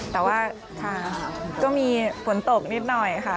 แต่ว่าค่ะก็มีฝนตกนิดหน่อยค่ะ